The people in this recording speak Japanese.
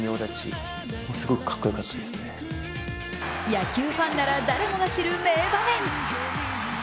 野球ファンなら誰もが知る名場面。